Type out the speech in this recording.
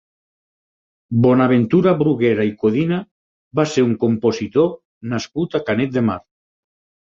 Bonaventura Bruguera i Codina va ser un compositor nascut a Canet de Mar.